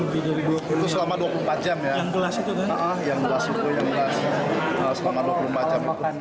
yang kelas itu yang kelas itu selama dua puluh empat jam